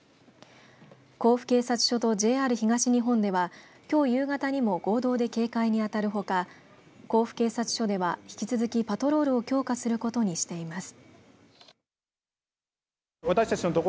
甲府警察署とＪＲ東日本ではきょう夕方にも合同で警戒にあたるほか甲府警察署では引き続きパトロールを強化することにしています。